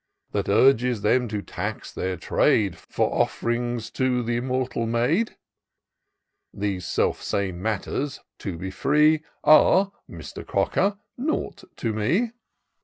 321 That urges them to tax their trade, For ofF'rings to th' immortal maid : These self same matters, to be free, Are, Mister Cocker ^ nought to me.